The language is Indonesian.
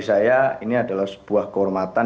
saya ini adalah sebuah kehormatan